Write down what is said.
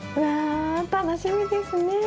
わ楽しみですね。